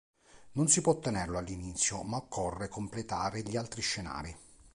Non si può ottenerlo all'inizio ma occorre completare gli altri scenari.